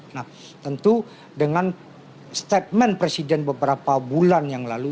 nah tentu dengan statement presiden beberapa bulan yang lalu